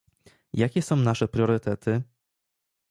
Jakie są nasze priorytety?